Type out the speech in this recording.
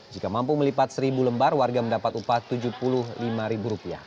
jika mampu melipat seribu lembar warga mendapat upah rp tujuh puluh lima